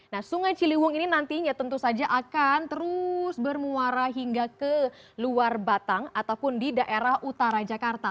nah sungai ciliwung ini nantinya tentu saja akan terus bermuara hingga ke luar batang ataupun di daerah utara jakarta